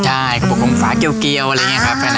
ใช่กระปุกกลมฝาเกี่ยวอะไรอย่างนี้ครับ